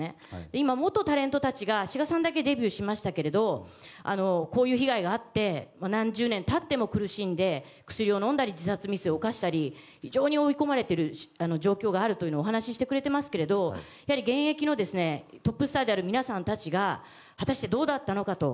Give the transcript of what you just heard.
今、元タレントたちが志賀さんだけデビューしましたがこういう被害があって何十年経っても薬を飲んだり自殺未遂を犯したり非常に追い込まれている状況があるとお話ししていますがやはり現役のトップスターである皆さんたちが果たしてどうだったのかと。